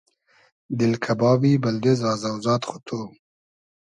دیل کئبابی بئلدې زازۆزاد خو تو